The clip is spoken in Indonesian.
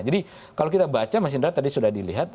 kalau kita baca mas indra tadi sudah dilihat